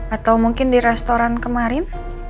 atau mungkin di restoran kemarin